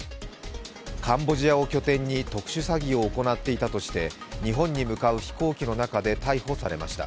カンボジアを拠点に特殊詐欺を行っていたとして日本に向かう飛行機の中で逮捕されました。